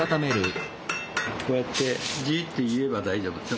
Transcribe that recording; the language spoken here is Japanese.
こうやってジーッて言えば大丈夫。